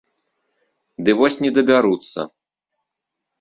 Ды вось не дабяруцца.